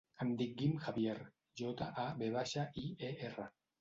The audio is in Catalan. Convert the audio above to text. Em dic Guim Javier: jota, a, ve baixa, i, e, erra.